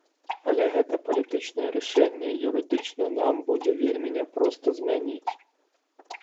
Але гэта палітычнае рашэнне юрыдычна нам будзе вельмі няпроста змяніць.